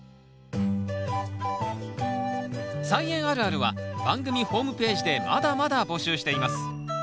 「菜園あるある」は番組ホームページでまだまだ募集しています。